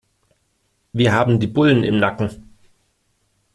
Wir haben die Bullen im Nacken.